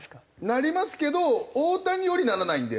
なりますけど大谷よりならないんで。